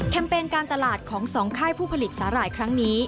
เปญการตลาดของสองค่ายผู้ผลิตสาหร่ายครั้งนี้